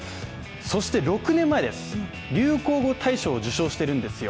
そして６年前、流行語大賞を受賞しているんですよ。